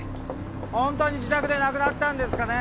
本当に自宅で亡くなったんですかね？